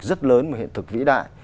rất lớn một hiện thực vĩ đại